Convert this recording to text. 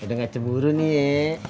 udah gak ceburu nih ya